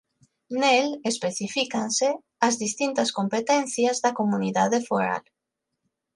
Nel especifícanse as distintas competencias da Comunidade Foral.